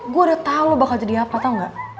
gue udah tau lo bakal jadi apa tau ga